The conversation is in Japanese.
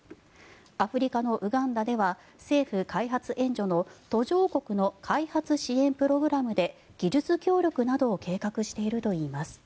アフリカのウガンダでは政府開発援助の途上国の開発支援プログラムで技術協力などを計画しているといいます。